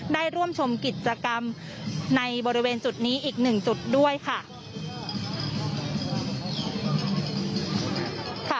ได้ร่วมชมกิจกรรมในบริเวณจุดนี้อีกหนึ่งจุดด้วยค่ะ